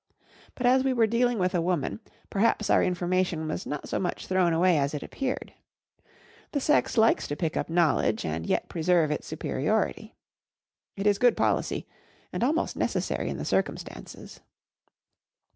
But as we were dealing with a woman, perhaps our information was not so much thrown away as it appeared. The sex likes to pick up knowledge and yet preserve its superiority. It is good policy, and almost necessary in the circumstances.